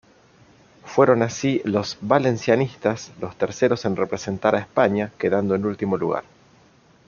Fueron así los valencianistas los terceros en representar a España, quedando en último lugar.